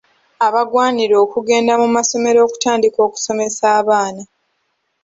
Abagwanira okugenda mu masomero okutandika okusomesa abaana.